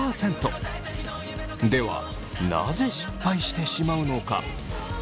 なぜ失敗してしまうのか。